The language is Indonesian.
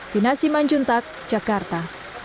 dinas iman juntak jakarta